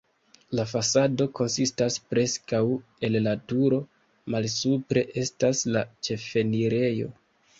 La fasado konsistas preskaŭ el la turo, malsupre estas la ĉefenirejo.